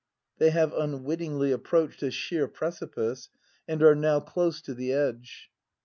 [They have unwittingly approached a sheer prec ipice, and are now close to the edge.